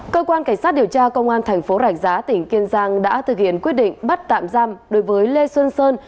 cơ quan cảnh sát điều tra công an thành phố rạch giá tỉnh kiên giang đã thực hiện quyết định bắt tạm giam đối với lê xuân sơn